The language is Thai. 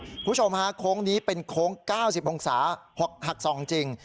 คุณผู้ชมฮะโค้งนี้เป็นโค้ง๙๐องศาหักส่องจริง